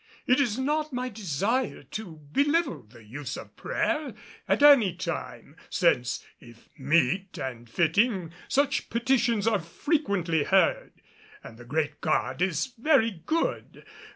It is not my desire to belittle the use of prayer at any time; since, if meet and fitting, such petitions are frequently heard, and the great God is very good.